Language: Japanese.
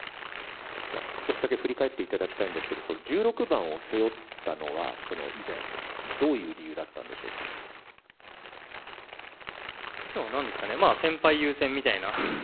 少しだけ振り返っていただきたいんですけど、１６番を背負ったのは以前、以前はなんですかね、先輩優先みたいな。